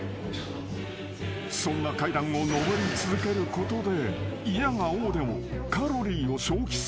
［そんな階段を上り続けることでいやが応でもカロリーを消費させる］